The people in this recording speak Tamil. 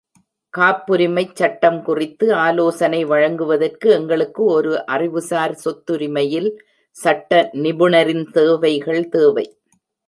காப்புரிமைச் சட்டம் குறித்து ஆலோசனை வழங்குவதற்கு, எங்களுக்கு ஒரு அறிவுசார் சொத்துரிமையில் சட்ட நிபுணரின் சேவைகள் தேவை